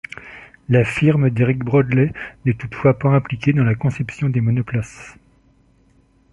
La firme d'Eric Broadley n'est toutefois pas impliquée dans la conception des monoplaces.